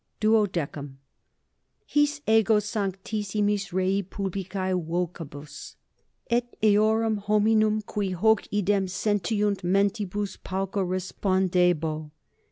=12.= His ego sanctissimis rei publicae vocibus et eorum hominum, qui hoc idem sentiunt, mentibus pauca respondebo.